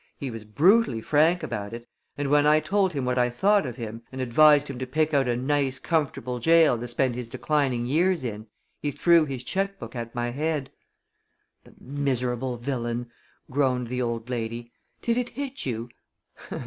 "He was brutally frank about it, and when I told him what I thought of him, and advised him to pick out a nice, comfortable jail to spend his declining years in, he threw his check book at my head." "The miserable villain!" groaned the old lady. "Did it hit you?"